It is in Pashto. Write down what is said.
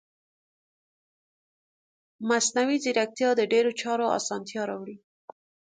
مصنوعي ځیرکتیا د ډیرو چارو اسانتیا راوړي.